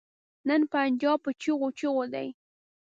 نن پنجاب په چيغو چيغو دی.